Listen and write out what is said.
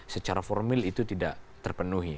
secara formil itu tidak terpenuhi